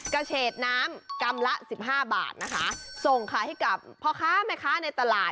กระเชษน้ำกรัมละ๑๕บาทนะคะส่งขายให้กับพ่อค้าไม่ค้าในตลาด